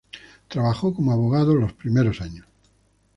Trabajó como abogado los primeros años.